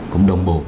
công đồng bộ